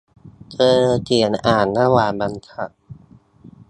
เธอเขียนอ่านระหว่างบรรทัด !